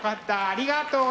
ありがとう。